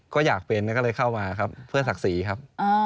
ก็อยากเป็นก็เลยเข้ามาครับเพื่อศักดิ์ศรีครับ